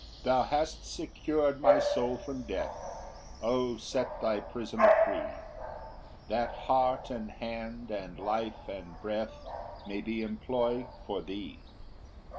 10 Thou hast secur'd my soul from death; O set thy prisoner free, That heart and hand, and life and breath May be employ'd for thee.